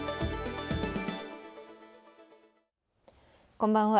こんばんは。